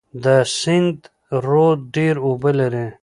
د سند رود ډیر اوبه لري.